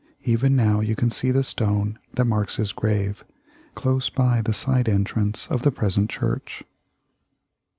Even now you can see the stone that marks his grave, close by the side entrance of the present church.